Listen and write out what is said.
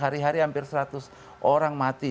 hari hari hampir seratus orang mati